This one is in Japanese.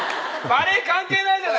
バレー関係ないじゃない！